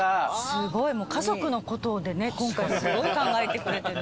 すごい。家族のことでね今回すごい考えてくれてる。